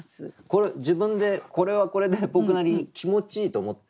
これ自分でこれはこれで僕なりに気持ちいいと思ってたんですよ。